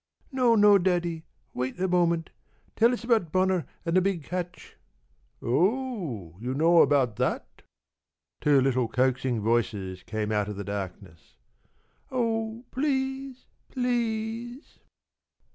p> "No, no, Daddy; wait a moment! Tell us about Bonner and the big catch." "Oh, you know about that!" Two little coaxing voices came out of the darkness. "Oh, please! Please!"